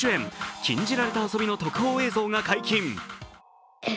「禁じられた遊び」の特報映像が解禁。